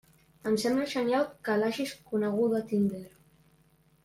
Em sembla genial que l'hagis coneguda a Tinder!